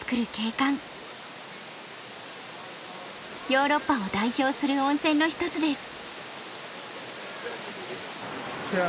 ヨーロッパを代表する温泉の一つです。